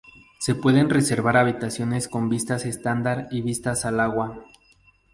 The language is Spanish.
Se pueden reservar habitaciones con vistas estándar y vistas al agua.